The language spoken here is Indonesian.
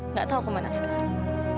nggak tahu ke mana sekali